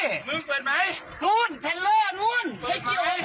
มึงเปิดไหมนู่นแทนเลอร์นู่นไม่เกี่ยวกับผม